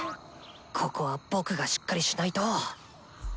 ここは僕がしっかりしないと！